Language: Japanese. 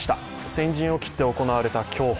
先陣を切って行われた競歩